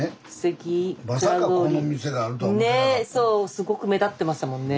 すごく目立ってましたもんね。